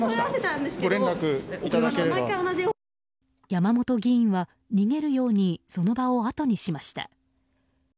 山本議員は逃げるようにその場をあとにしました。